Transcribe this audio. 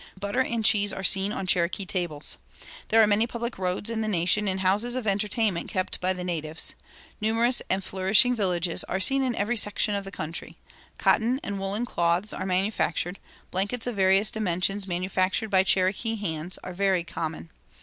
Butter and cheese are seen on Cherokee tables. There are many public roads in the nation, and houses of entertainment kept by natives. Numerous and flourishing villages are seen in every section of the country. Cotton and woolen cloths are manufactured; blankets of various dimensions, manufactured by Cherokee hands, are very common.